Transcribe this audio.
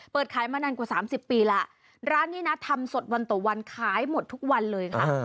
ขายมานานกว่า๓๐ปีแล้วร้านนี้นะทำสดวันต่อวันขายหมดทุกวันเลยค่ะ